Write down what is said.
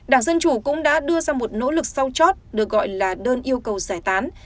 đảng dân chủ cũng đã đưa ra một nỗ lực sau chót được gọi là đơn yêu cầu giải tán